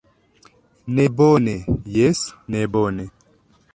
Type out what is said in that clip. Ne bone, jes, ne bone.